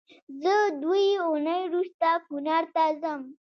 زه دوې اونۍ روسته کونړ ته ځم